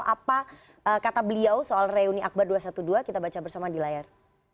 apa kata beliau soal reuni akbar dua ratus dua belas kita baca bersama di layar